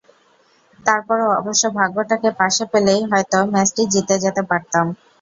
তার পরও অবশ্য ভাগ্যটাকে পাশে পেলেই হয়তো ম্যাচটি জিতে যেতে পারতাম।